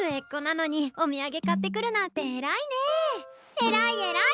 えらいえらい！